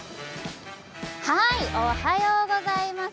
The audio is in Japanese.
おはようございます。